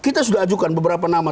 kita sudah ajukan beberapa nama